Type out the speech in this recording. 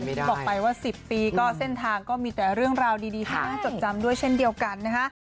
ที่บอกไปว่า๑๐ปีก็เส้นทางก็มีแต่เรื่องราวดีที่น่าจดจำด้วยเช่นเดียวกันนะคะ